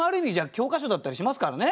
教科書だったりしますからね。